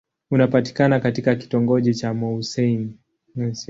Unapatikana katika kitongoji cha Mouassine.